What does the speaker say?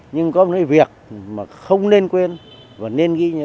nhưng có một cái việc mà không nên quên và nên ghi nhớ